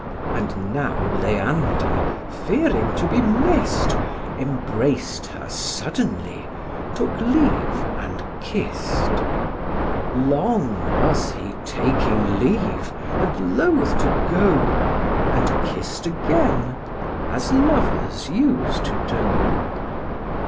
And now Leander, fearing to be miss'd, Embrac'd her suddenly, took leave, and kiss'd: Long was he taking leave, and loathe to go, And kiss'd again, as lovers use to do.